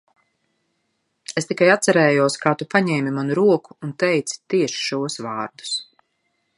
Es tikai atcerējos, kā tu paņēmi manu roku un teici tieši šos vārdus.